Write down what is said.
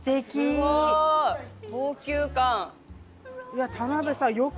すごい！高級感。